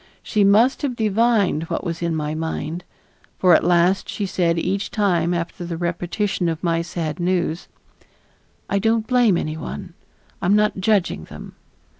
She must have divined what was in my mind, for at last she said each time after the repetition of my sad news: "I don't blame any one, I am not judging them."